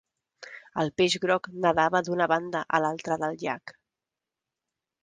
El peix groc nadava d'una banda a l'altra del llac.